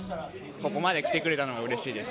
ここまで来てくれたのがうれしいです。